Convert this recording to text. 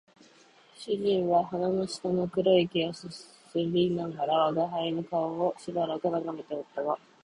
主人は鼻の下の黒い毛を撚りながら吾輩の顔をしばらく眺めておったが、